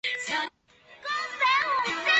坂北站筱之井线铁路车站。